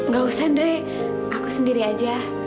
gak usah dari aku sendiri aja